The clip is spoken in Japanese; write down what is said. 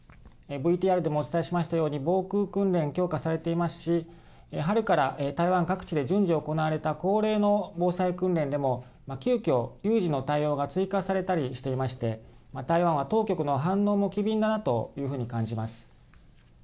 ＶＴＲでもお伝えしましたように防空訓練、強化されていますし春から台湾各地で順次行われた恒例の防災訓練でも急きょ、有事の対応が追加されたりしていまして台湾は当局の反応も機敏だなというふうに感じます。